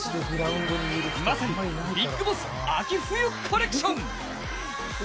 まさにビッグボス秋冬コレクション。